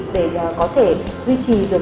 để có thể duy trì được